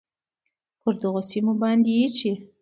پر دغو سیمو باندې ایښی،